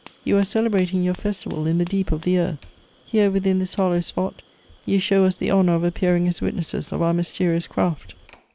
You are celebrating your festival in the deep of the earth. Here within this hollow spot, you show us the honor of appearing as witnesses of our mysterious craft.